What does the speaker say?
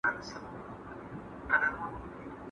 شاعرانو د ټولني انځور ويستلی دی.